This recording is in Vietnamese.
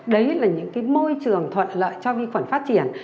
đấy là những cái môi trường thuận lợi cho vi khuẩn phát triển